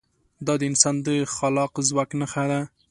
دا د انسان د خلاق ځواک نښه ده.